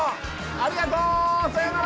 ありがとう！